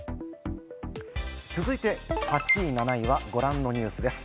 続いて８位、７位はご覧のニュースです。